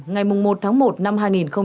ngày một tháng một năm hai nghìn hai mươi